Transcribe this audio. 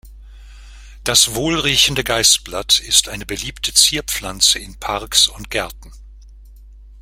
Das Wohlriechende Geißblatt ist eine beliebte Zierpflanze in Parks und Gärten.